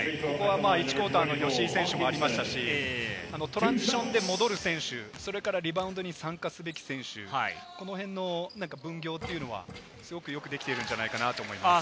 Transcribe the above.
１クオーターの吉井選手もありましたし、トランジションで戻る選手、それからリバウンドに参加すべき選手、この辺の分業というのはすごくよくできているんじゃないかなと思います。